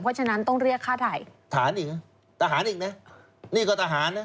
เพราะฉะนั้นต้องเรียกค่าไถ่ฐานอีกนะทหารอีกนะนี่ก็ทหารนะ